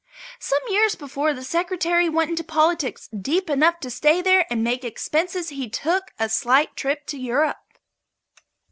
Some years before the Secretary went into politics deep enough to stay there and make expenses he took a slight trip to Europe.